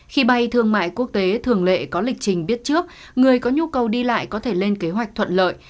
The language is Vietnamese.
khi bay thương mại quốc tế thường lệ có lịch trình biết trước người có nhu cầu đi lại có thể lên kế hoạch thuận lợi